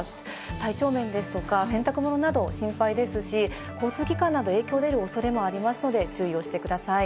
体調面ですとか洗濯物など心配ですし、交通機関など影響が出る恐れもありますので注意をしてください。